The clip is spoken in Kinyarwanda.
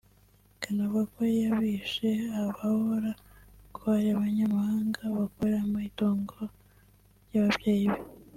ikanavuga ko yabishe abahora ko ari abanyamahanga bakorera mu itongo ry’ababyeyi be